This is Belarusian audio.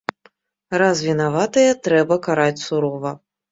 Раз вінаватыя, трэба караць сурова.